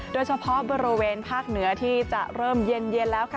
โดยเฉพาะบริเวณภาคเหนือที่จะเริ่มเย็นแล้วค่ะ